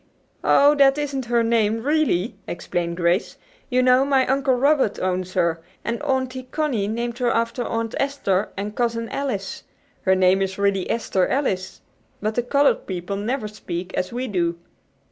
"Oh, that isn't her name, really," explained Grace. "You know my Uncle Robert owns her, and Auntie Connie named her after Aunt Esther and Cousin Alice. Her name is really Esther Alice. But the colored people never speak as we do."